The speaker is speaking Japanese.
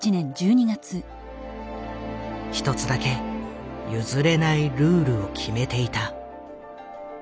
一つだけ譲れないルールを決めていた。